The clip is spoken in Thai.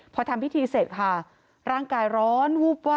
พอทำพิธีเสร็จค่ะร่างกายร้อนวูบวาบ